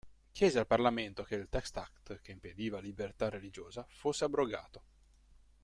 Chiese al Parlamento che il "Test Act" che impediva libertà religiosa, fosse abrogato.